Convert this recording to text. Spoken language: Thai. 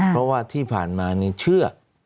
เพราะว่าที่ผ่านมานี่เชื่อ